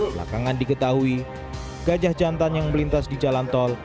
belakangan diketahui gajah jantan yang melintas di jalan tol